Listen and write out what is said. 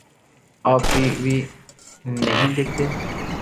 آ پ T V نہیں دیکھتے؟